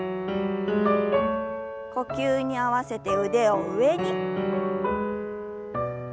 呼吸に合わせて腕を上に。